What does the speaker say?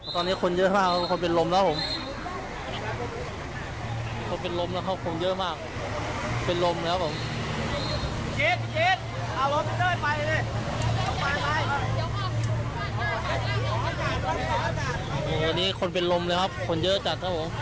ตอนนี้คนเป็นลมแล้วครับเขา